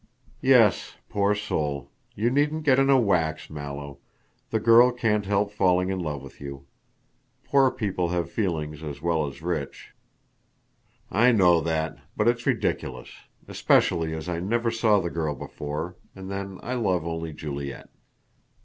"Yes, poor soul. You needn't get in a wax, Mallow. The girl can't help falling in love with you. Poor people have feelings as well as rich." "I know that, but it's ridiculous: especially as I never saw the girl before, and then I love only Juliet."